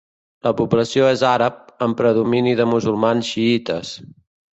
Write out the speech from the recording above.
La població és àrab, amb predomini de musulmans xiïtes.